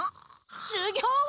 しゅぎょうは？